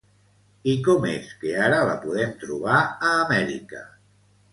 I com és que ara la podem trobar a Amèrica?